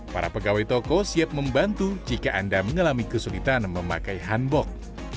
para pegawai toko siap membantu jika anda mengalami kesulitan memakai hanbok